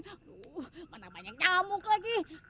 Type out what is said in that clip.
aduh mana banyak nyamuk lagi